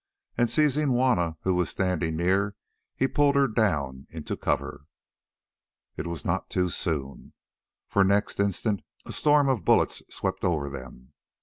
And seizing Juanna who was standing near, he pulled her down into cover. It was not too soon, for next instant a storm of bullets swept over them.